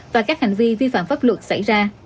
và các hành vi vi phạm pháp luật xảy ra